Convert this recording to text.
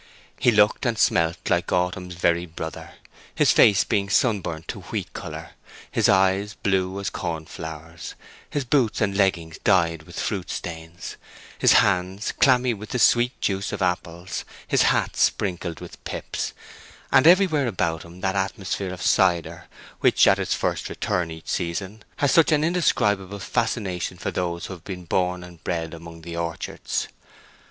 He looked and smelt like Autumn's very brother, his face being sunburnt to wheat color, his eyes blue as corn flowers, his boots and leggings dyed with fruit stains, his hands clammy with the sweet juice of apples, his hat sprinkled with pips, and everywhere about him that atmosphere of cider which at its first return each season has such an indescribable fascination for those who have been born and bred among the orchards.